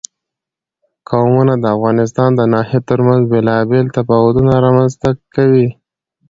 قومونه د افغانستان د ناحیو ترمنځ بېلابېل تفاوتونه رامنځ ته کوي.